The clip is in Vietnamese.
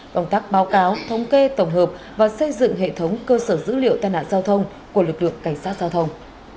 công tác báo cáo thống kê tổng hợp và xây dựng hệ thống cơ sở dữ liệu tai nạn giao thông của lực lượng cảnh sát giao thông